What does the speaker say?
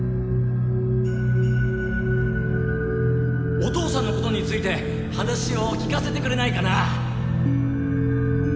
お父さんのことについて話を聞かせてくれないかな？